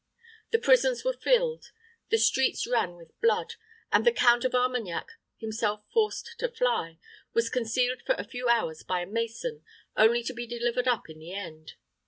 The prisons were filled; the streets ran with blood; and the Count of Armagnac, himself forced to fly, was concealed for a few hours by a mason, only to be delivered up in the end.